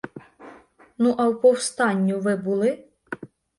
— Ну, а в повстанню ви були?